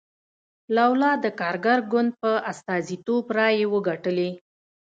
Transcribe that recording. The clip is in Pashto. لولا د کارګر ګوند په استازیتوب رایې وګټلې.